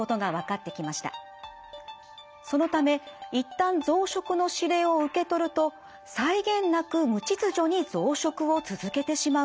そのため一旦増殖の指令を受け取ると際限なく無秩序に増殖を続けてしまうんです。